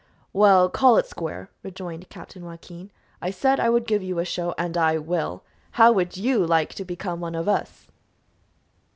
"Well, call it square," rejoined Captain Joaquin. "I said I would give you a show, and I will. How would you like to become one of us?"